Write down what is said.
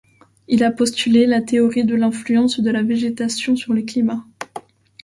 Il a postulé la théorie de l'influence de la végétation sur le climat.